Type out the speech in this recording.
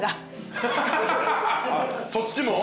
そっちも？